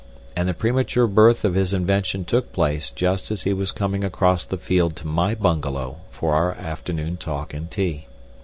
And the premature birth of his invention took place just as he was coming across the field to my bungalow for our afternoon talk and tea.